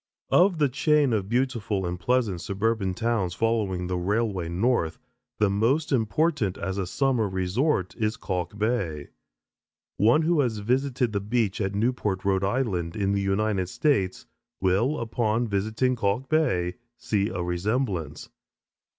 Of the chain of beautiful and pleasant suburban towns following the railway north, the most important as a summer resort, is Kalk Bay. One who has visited the beach at Newport, R. I., in the United States, will, upon visiting Kalk Bay, see a resemblance.